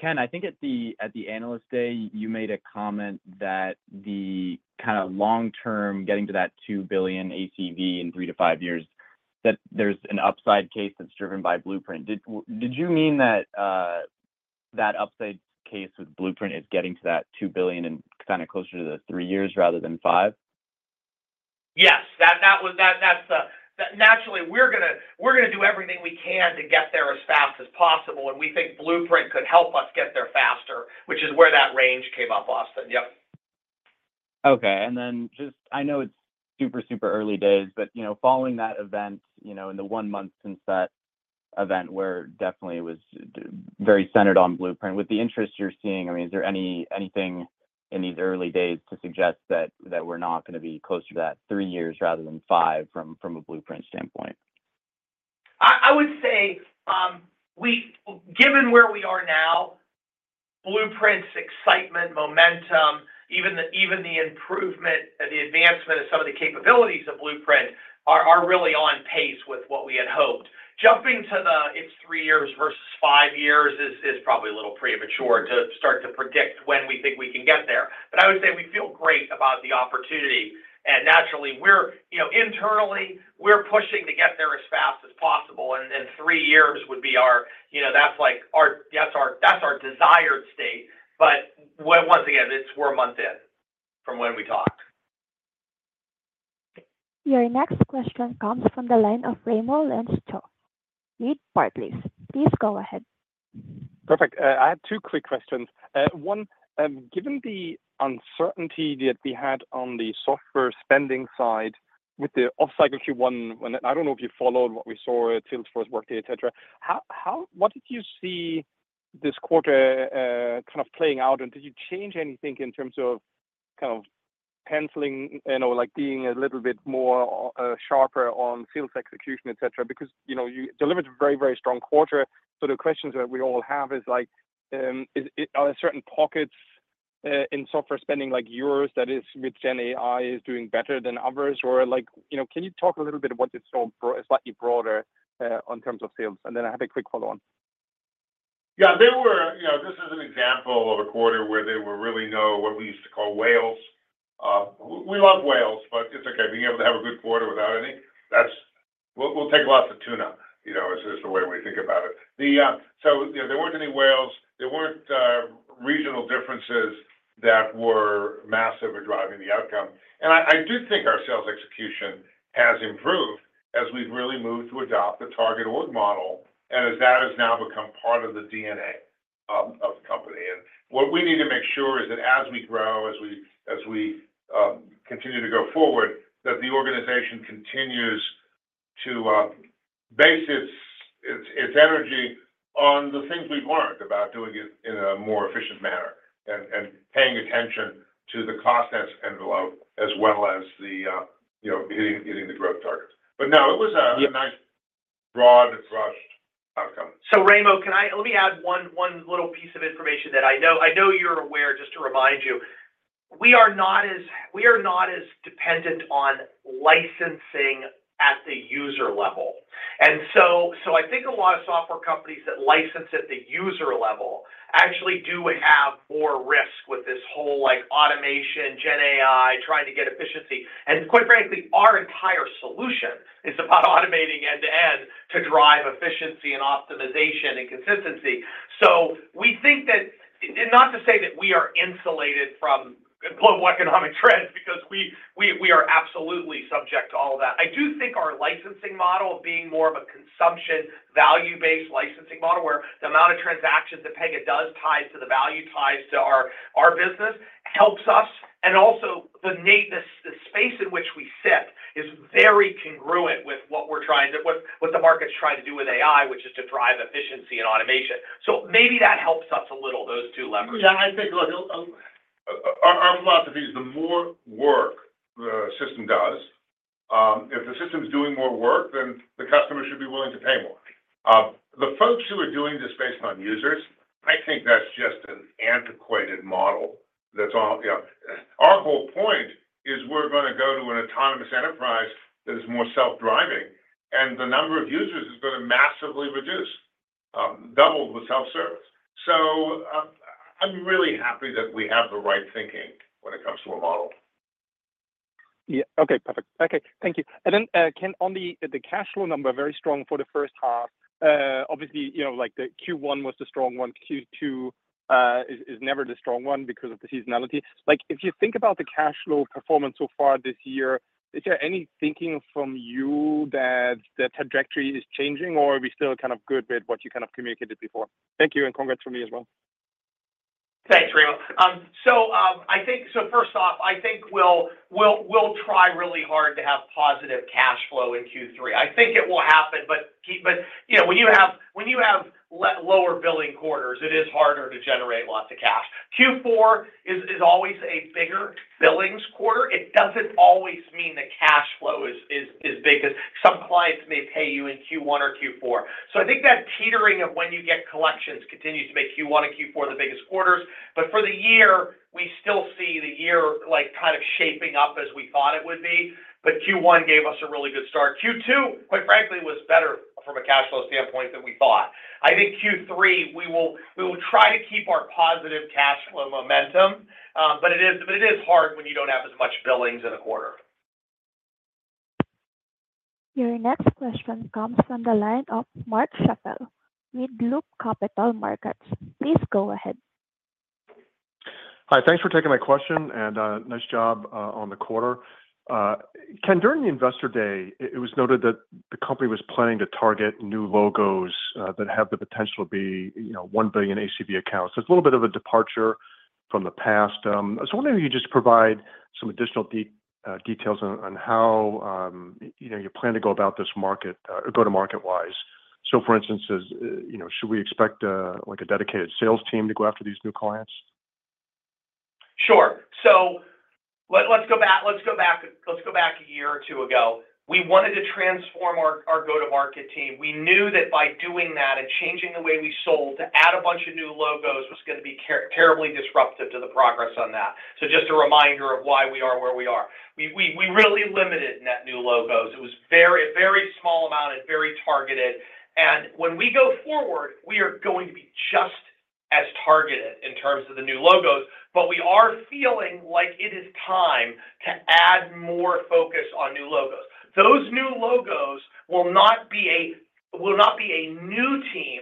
Ken, I think at the Analyst Day, you made a comment that the kind of long term, getting to that $2 billion ACV in 3 years-5 years, that there's an upside case that's driven by Blueprint. Did you mean that that upside case with Blueprint is getting to that $2 billion and kind of closer to the 3 years rather than 5? Yes, that was, that's the... But naturally, we're gonna do everything we can to get there as fast as possible, and we think Blueprint could help us get there faster, which is where that range came up, Austin. Yep. Okay. And then just, I know it's super, super early days, but, you know, following that event, you know, in the one month since that event, where definitely it was very centered on Blueprint. With the interest you're seeing, I mean, is there anything in these early days to suggest that, that we're not gonna be closer to that 3 years rather than 5 years from, from a Blueprint standpoint? I, I would say, we—given where we are now, Blueprint's excitement, momentum, even the improvement and the advancement of some of the capabilities of Blueprint are really on pace with what we had hoped. Jumping to the, it's 3 years versus 5 years is probably a little premature to start to predict when we think we can get there. But I would say we feel great about the opportunity, and naturally, we're, you know, internally, we're pushing to get there as fast as possible, and 3 years would be our, you know, that's like our... That's our, that's our desired state, but once again, it's we're a month in from when we talked. Your next question comes from the line of Raimo Lenschow, with Barclays. Please go ahead. Perfect. I had two quick questions. One, given the uncertainty that we had on the software spending side with the off-cycle Q1, and I don't know if you followed what we saw at Salesforce, Workday, et cetera, what did you see this quarter kind of playing out? And did you change anything in terms of kind of penciling, you know, like, being a little bit more sharper on sales execution, et cetera? Because, you know, you delivered a very, very strong quarter. So the questions that we all have is, like, are there certain pockets in software spending like yours, that is, with GenAI is doing better than others, or like, you know, can you talk a little bit about this slightly broader on terms of sales? And then I have a quick follow on. Yeah, there were, you know, this is an example of a quarter where there were really no, what we used to call whales. We love whales, but it's okay being able to have a good quarter without any. That's, we'll take lots of tuna, you know, is the way we think about it. So, you know, there weren't any whales, there weren't regional differences that were massive or driving the outcome. And I do think our sales execution has improved as we've really moved to adopt the target org model, and as that has now become part of the DNA of the company. What we need to make sure is that as we grow, as we continue to go forward, that the organization continues to base its energy on the things we've learned about doing it in a more efficient manner, and paying attention to the cost envelope, as well as, you know, hitting the growth targets. But no, it was a- Yeah... nice, broad, and rushed outcome. So, Raimo, can I let me add one little piece of information that I know, I know you're aware, just to remind you. We are not as dependent on licensing at the user level. And so I think a lot of software companies that license at the user level actually do have more risk with this whole, like, automation, GenAI, trying to get efficiency. And quite frankly, our entire solution is about automating end-to-end to drive efficiency and optimization and consistency. So we think that, and not to say that we are insulated from global economic trends, because we are absolutely subject to all of that. I do think our licensing model, being more of a consumption, value-based licensing model, where the amount of transactions that Pega does ties to the value, ties to our business, helps us. And also the space in which we sit is very congruent with what we're trying to... what, what the market's trying to do with AI, which is to drive efficiency and automation. So maybe that helps us a little, those two levers. Yeah, I think, look, our philosophy is the more work the system does, if the system is doing more work, then the customer should be willing to pay more. The folks who are doing this based on users, I think that's just an antiquated model. That's all, you know. Our whole point is we're gonna go to an autonomous enterprise that is more self-driving, and the number of users is gonna massively reduce, double with self-service. So, I'm really happy that we have the right thinking when it comes to a model. Yeah. Okay, perfect. Okay, thank you. And then, Ken, on the, the cash flow number, very strong for the first half. Obviously, you know, like, the Q1 was the strong one. Q2, is, is never the strong one because of the seasonality. Like, if you think about the cash flow performance so far this year, is there any thinking from you that the trajectory is changing, or are we still kind of good with what you kind of communicated before? Thank you, and congrats from me as well. Thanks, Raimo. So first off, I think we'll try really hard to have positive cash flow in Q3. I think it will happen, but you know, when you have lower billing quarters, it is harder to generate lots of cash. Q4 is always a bigger billings quarter. It doesn't always mean the cash flow is big, because some clients may pay you in Q1 or Q4. So I think that teetering of when you get collections continues to make Q1 and Q4 the biggest quarters. But for the year, we still see the year like kind of shaping up as we thought it would be. But Q1 gave us a really good start. Q2, quite frankly, was better from a cash flow standpoint than we thought. I think Q3, we will, we will try to keep our positive cash flow momentum, but it is, but it is hard when you don't have as much billings in a quarter. Your next question comes from the line of Mark Schappel, Loop Capital Markets. Please go ahead.... Hi, thanks for taking my question, and, nice job, on the quarter. Ken, during the Investor Day, it, it was noted that the company was planning to target new logos, that have the potential to be, you know, 1 million ACV accounts. So it's a little bit of a departure from the past. I was wondering if you could just provide some additional details on, on how, you know, you plan to go about this market, go-to-market-wise. So, for instance, as, you know, should we expect, like a dedicated sales team to go after these new clients? Sure. So let's go back a year or two ago. We wanted to transform our go-to-market team. We knew that by doing that and changing the way we sold to add a bunch of new logos was gonna be terribly disruptive to the progress on that. So just a reminder of why we are where we are. We really limited net new logos. It was a very small amount and very targeted. And when we go forward, we are going to be just as targeted in terms of the new logos, but we are feeling like it is time to add more focus on new logos. Those new logos will not be a new team,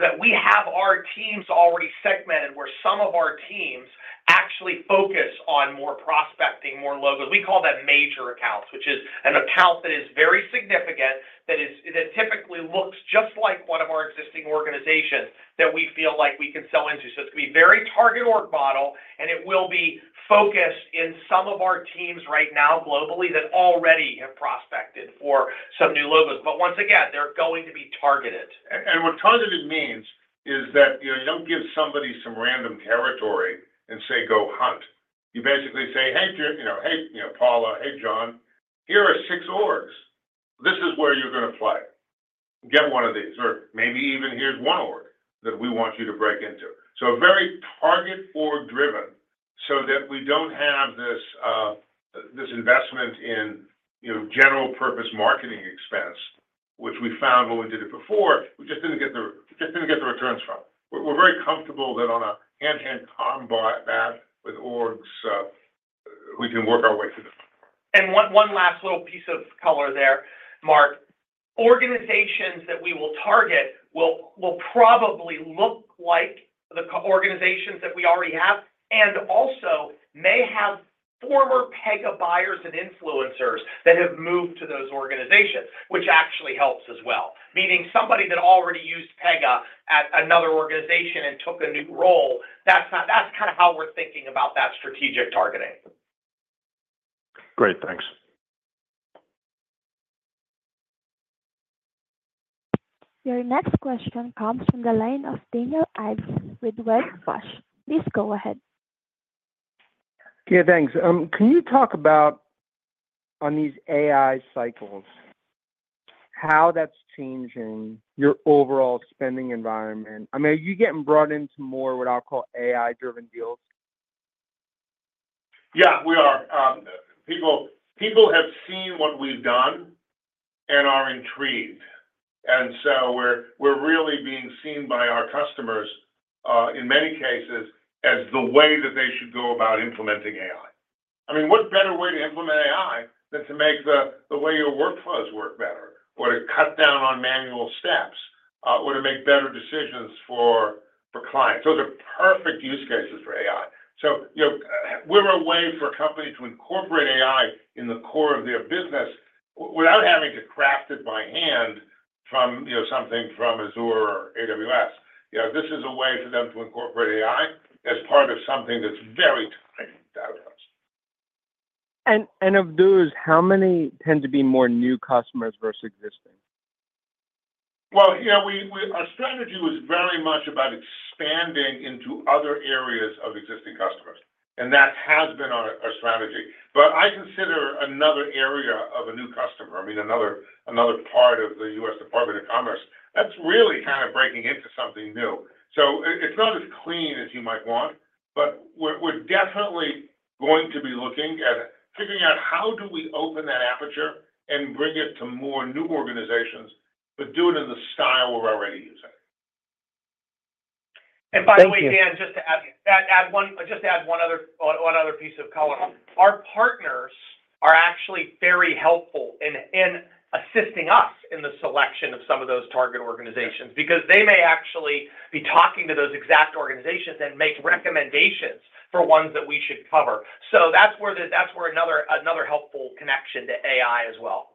that we have our teams already segmented, where some of our teams actually focus on more prospecting, more logos. We call that major accounts, which is an account that is very significant, that typically looks just like one of our existing organizations that we feel like we can sell into. So it's gonna be very target org model, and it will be focused in some of our teams right now globally, that already have prospected for some new logos. But once again, they're going to be targeted. And what targeted means is that, you know, you don't give somebody some random territory and say, "Go hunt." You basically say, "Hey, you know, hey, you know, Paula, hey, John, here are six orgs. This is where you're gonna play. Get one of these, or maybe even here's one org that we want you to break into." So very target org driven, so that we don't have this, this investment in, you know, general purpose marketing expense, which we found when we did it before, we just didn't get the, just didn't get the returns from it. We're, we're very comfortable that on a hand-hand combat with orgs, we can work our way through this. And one last little piece of color there, Mark. Organizations that we will target will probably look like the organizations that we already have and also may have former Pega buyers and influencers that have moved to those organizations, which actually helps as well. Meaning somebody that already used Pega at another organization and took a new role, that's not... That's kind of how we're thinking about that strategic targeting. Great, thanks. Your next question comes from the line of Daniel Ives with Wedbush. Please go ahead. Yeah, thanks. Can you talk about on these AI cycles, how that's changing your overall spending environment? I mean, are you getting brought into more, what I'll call AI-driven deals? Yeah, we are. People, people have seen what we've done and are intrigued, and so we're, we're really being seen by our customers, in many cases, as the way that they should go about implementing AI. I mean, what better way to implement AI than to make the, the way your workflows work better or to cut down on manual steps, or to make better decisions for, for clients? Those are perfect use cases for AI. So, you know, we're a way for a company to incorporate AI in the core of their business without having to craft it by hand from, you know, something from Azure or AWS. You know, this is a way for them to incorporate AI as part of something that's very tied to us. Of those, how many tend to be more new customers versus existing? Well, yeah, our strategy was very much about expanding into other areas of existing customers, and that has been our strategy. But I consider another area of a new customer, I mean, another part of the U.S. Department of Commerce, that's really kind of breaking into something new. So it's not as clean as you might want, but we're definitely going to be looking at figuring out how do we open that aperture and bring it to more new organizations, but do it in the style we're already using. Thank you. And by the way, Dan, just to add one other piece of color. Our partners are actually very helpful in assisting us in the selection of some of those target organizations, because they may actually be talking to those exact organizations and make recommendations for ones that we should cover. So that's where another helpful connection to AI as well.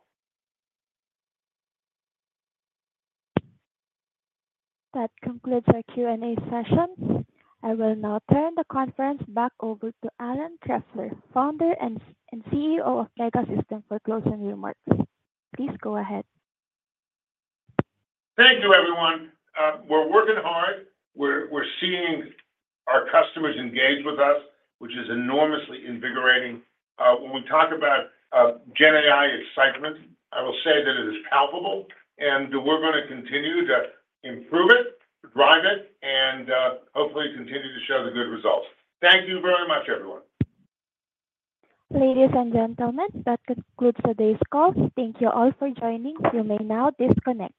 That concludes our Q&A session. I will now turn the conference back over to Alan Trefler, founder and CEO of Pegasystems, for closing remarks. Please go ahead. Thank you, everyone. We're working hard. We're seeing our customers engage with us, which is enormously invigorating. When we talk about GenAI excitement, I will say that it is palpable, and we're gonna continue to improve it, drive it, and hopefully continue to show the good results. Thank you very much, everyone. Ladies and gentlemen, that concludes today's call. Thank you all for joining. You may now disconnect.